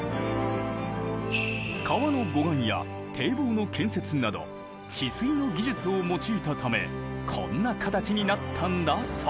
川の護岸や堤防の建設など治水の技術を用いたためこんな形になったんだそう。